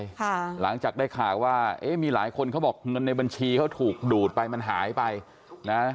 ค่ะหลังจากได้ข่าวว่าเอ๊ะมีหลายคนเขาบอกเงินในบัญชีเขาถูกดูดไปมันหายไปนะ